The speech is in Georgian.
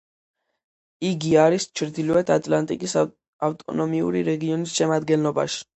იგი არის ჩრდილოეთ ატლანტიკის ავტონომიური რეგიონის შემადგენლობაში.